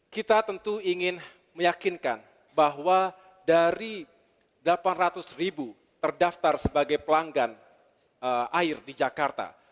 kita tentu ingin meyakinkan bahwa dari delapan ratus ribu terdaftar sebagai pelanggan air di jakarta